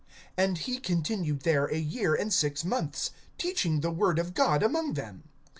(11)And he continued there a year and six months, teaching the word of God among them.